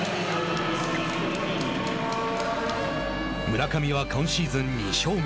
村上は今シーズン２勝目。